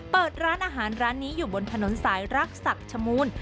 เปิดร้านอาหารร้านนี้อยู่บนถนนสายรักษักชมูล